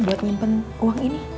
buat nyimpen uang ini